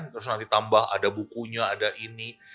terus nanti tambah ada bukunya ada ini